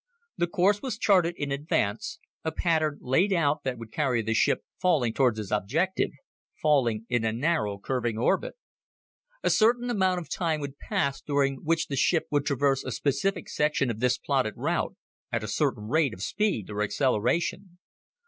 The course was charted in advance, a pattern laid out that would carry the ship falling toward its objective falling in a narrow curving orbit. A certain amount of time would pass during which the ship would traverse a specific section of this plotted route at a certain rate of speed or acceleration.